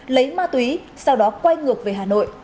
lấy ma túy sau đó quay ngược về hà nội